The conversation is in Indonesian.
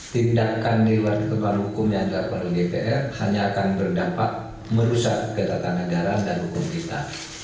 tindakan lewat ketelaran hukum yang dilakukan oleh dpr hanya akan berdampak merusak kegiatan negara dan hukum kita